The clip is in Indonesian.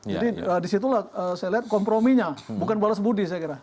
jadi disitulah saya lihat komprominya bukan balas budi saya kira